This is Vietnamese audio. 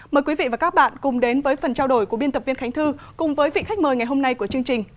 mời quý vị và các bạn cùng đến với phần trao đổi của biên tập viên khánh thư cùng với vị khách mời ngày hôm nay của chương trình